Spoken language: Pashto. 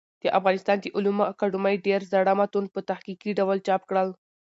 د افغانستان د علومو اکاډمۍ ډېر زاړه متون په تحقيقي ډول چاپ کړل.